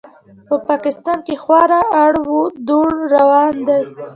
په پاکستان کې خورا اړ و دوړ روان دی.